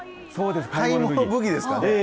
買い物ブギですかね。